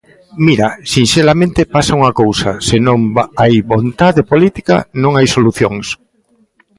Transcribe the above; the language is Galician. Mira, sinxelamente pasa unha cousa: Se non hai vontade política, non hai solucións.